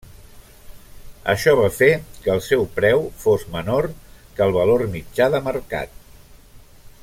Això va fer que el seu preu fos menor que el valor mitjà de mercat.